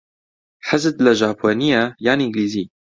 حەزت لە ژاپۆنییە یان ئینگلیزی؟